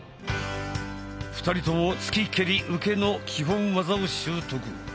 ２人とも突き蹴り受けの基本技を修得。